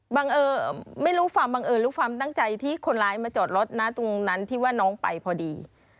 บังเอิญไม่รู้ความบังเอิญรู้ความตั้งใจที่คนร้ายมาจอดรถนะตรงนั้นที่ว่าน้องไปพอดี